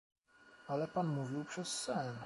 "„Ale pan mówił przez sen."